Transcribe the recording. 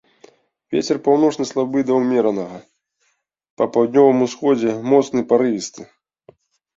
Вецер паўночны слабы да ўмеранага, па паўднёвым усходзе моцны парывісты.